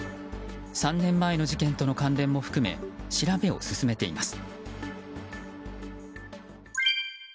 ３年前の事件との関連も含め調べを進めています。